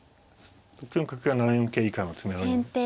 ６四角は７四桂以下の詰めろになる。